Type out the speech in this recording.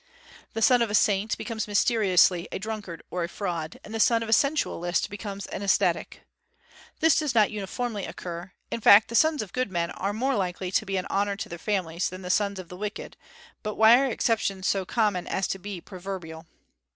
The son of a saint becomes mysteriously a drunkard or a fraud, and the son of a sensualist becomes an ascetic. This does not uniformly occur: in fact, the sons of good men are more likely to be an honor to their families than the sons of the wicked; but why are exceptions so common as to be proverbial?